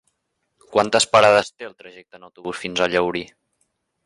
Quantes parades té el trajecte en autobús fins a Llaurí?